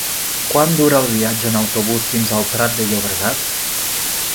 Quant dura el viatge en autobús fins al Prat de Llobregat?